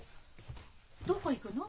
どこ行くの？